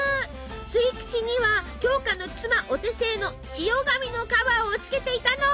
吸い口には鏡花の妻お手製の千代紙のカバーをつけていたの。